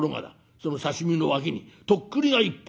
その刺身の脇にとっくりが１本。